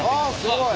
すごい！